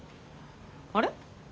あれ？